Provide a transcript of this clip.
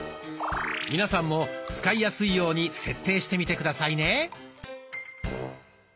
皆さんも使いやすいように設定してみて下さいね。